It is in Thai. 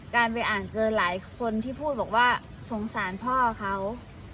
การไปอ่านเกินหลายคนที่พูดบอกว่าสงสารพ่อเขา